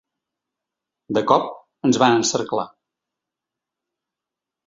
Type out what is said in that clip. De cop, ens van encerclar.